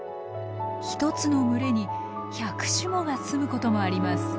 １つの群れに１００種もがすむこともあります。